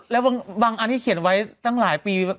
แล้วบางอันที่เขียนไว้ตั้งหลายปี